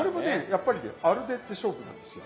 やっぱりねアルデンテ勝負なんですよ。